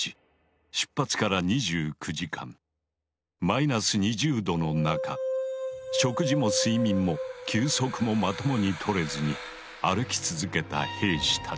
マイナス２０度の中食事も睡眠も休息もまともに取れずに歩き続けた兵士たち。